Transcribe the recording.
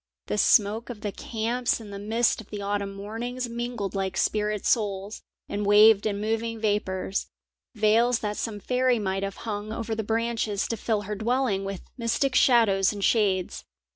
The smoke of the camps and the mist of the autumn mornings mingled like spirit souls, and waved in moving vapours, veils that some fairy might have hung over the branches to fill her dwelling with mystic shadows and shades.